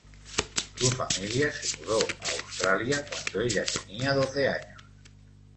Su familia se mudó a Australia cuando ella tenía doce años.